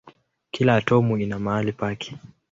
Kila atomu ina mahali pake.